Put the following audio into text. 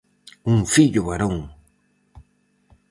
Un fillo varón!